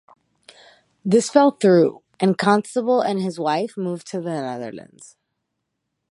This fell through, and Constable and his wife moved to the Netherlands.